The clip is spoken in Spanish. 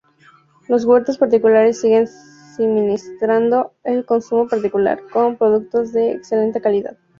Los huertos particulares siguen suministrando el consumo particular con productos de excelente calidad.